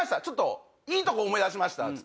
ちょっといいとこ思い出しました」